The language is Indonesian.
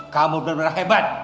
kamu benar benar hebat